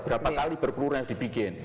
berapa kali berpelurang dibuat